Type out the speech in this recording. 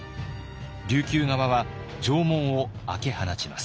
琉球側は城門を開け放ちます。